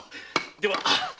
では。